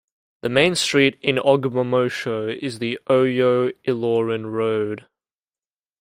The main street in Ogbomosho is the Oyo-Ilorin road.